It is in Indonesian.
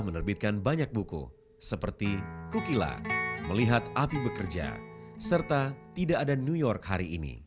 menerbitkan banyak buku seperti kukila melihat api bekerja serta tidak ada new york hari ini